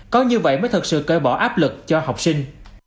có như vậy mới thực sự cơ bỏ áp lực cho học sinh